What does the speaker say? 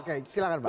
oke silahkan pak